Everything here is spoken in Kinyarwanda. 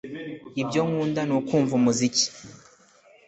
Ibyo nkunda ni kumva umuziki